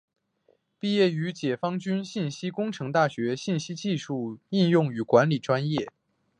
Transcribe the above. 毕业于解放军信息工程大学信息技术应用与管理专业。